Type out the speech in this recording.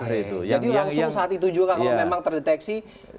jadi langsung saat itu juga kalau memang terdeteksi